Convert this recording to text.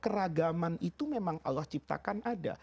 keragaman itu memang allah ciptakan ada